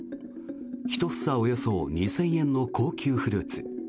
１房およそ２０００円の高級フルーツ。